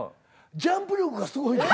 ジャンプ力がすごいって。